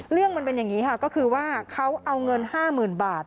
มันเป็นอย่างนี้ค่ะก็คือว่าเขาเอาเงิน๕๐๐๐บาท